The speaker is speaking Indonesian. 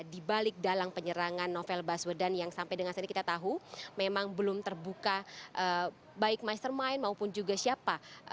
di balik dalang penyerangan novel baswedan yang sampai dengan saat ini kita tahu memang belum terbuka baik mastermind maupun juga siapa